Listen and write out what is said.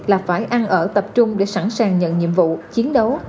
là phải ăn ở tập trung để sẵn sàng nhận nhiệm vụ chiến đấu